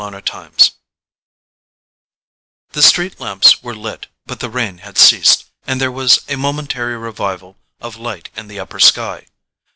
Chapter 13 The street lamps were lit, but the rain had ceased, and there was a momentary revival of light in the upper sky.